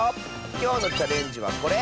きょうのチャレンジはこれ！